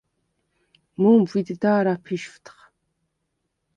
მუ̄მბვიდ და̄რ აფიშვდხ.